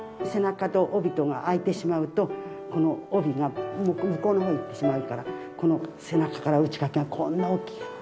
背中と帯とが空いてしまうとこの帯が向こうの方に行ってしまうからこの背中から打ち掛けがこんな大きい。